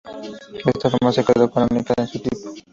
De esta forma se quedó con la única en su tipo.